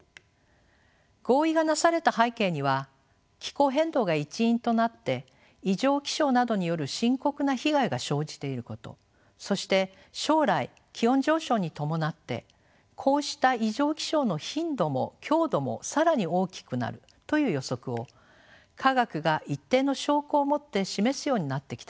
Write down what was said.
合意がなされた背景には気候変動が一因となって異常気象などによる深刻な被害が生じていることそして将来気温上昇に伴ってこうした異常気象の頻度も強度も更に大きくなるという予測を科学が一定の証拠をもって示すようになってきたことです。